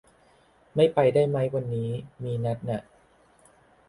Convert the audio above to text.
ไม่ไปได้ไหม วันนี้ มีนัดน่ะ